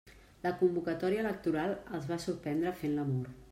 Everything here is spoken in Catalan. La convocatòria electoral els va sorprendre fent l'amor.